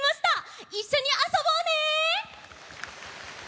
いっしょにあそぼうね！